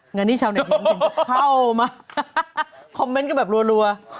งานนี้ชาวเน็ตเข้ามาคอมเมนต์กันแบบรัว